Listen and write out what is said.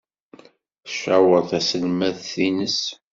Tcaweṛ taselmadt-nnes.